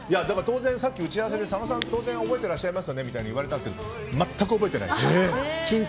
さっき打ち合わせで佐野さん、当然覚えていらっしゃいますよねって言われたんですけど全く覚えてないです。